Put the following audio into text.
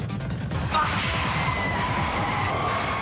あっ！